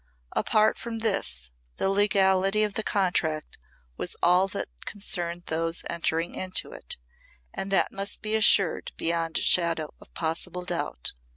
Apart from this the legality of the contract was all that concerned those entering into it; and that must be assured beyond shadow of possible doubt.